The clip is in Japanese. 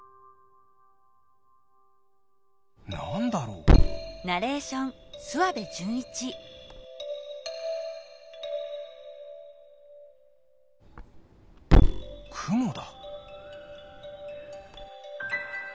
なんだろう？クモだ。